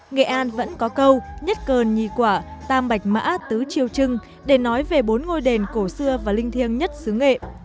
nghệ an vẫn có câu nhất cơn nhì quả tam bạch mã tứ triêu trưng để nói về bốn ngôi đền cổ xưa và linh thiêng nhất xứ nghệ